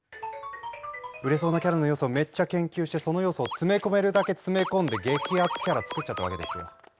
売れそうなキャラの要素をめっちゃ研究してその要素を詰め込めるだけ詰め込んで激アツキャラ作っちゃったわけですよ。